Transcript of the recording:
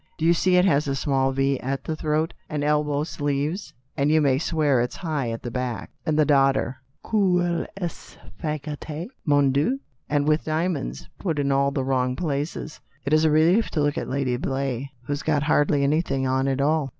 Do you see it has a small V at the throat, and tight elbow sleeves, and you may swear it's high at the back ! And the daughter — qu'elle est fagotee, mon Dieu y and with diamonds put in all the wrong places. It is a relief to look at Lady Blay, who's got hardly anything on at all."